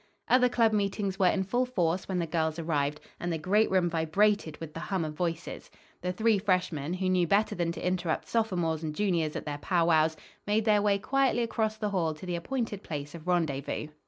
Other club meetings were in full force when the girls arrived, and the great room vibrated with the hum of voices. The three freshmen, who knew better than to interrupt sophomores and juniors at their pow wows, made their way quietly across the hall to the appointed place of rendezvous.